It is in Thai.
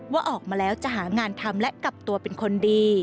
ว่าออกมาแล้วจะหางานทำและกลับตัวเป็นคนดี